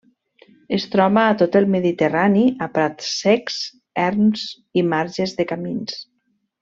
Es troba a tot el Mediterrani, a prats secs, erms i marges de camins.